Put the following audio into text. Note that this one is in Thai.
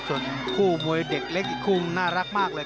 ส่วนคู่มวยเด็กเล็กอีกคู่น่ารักมากเลย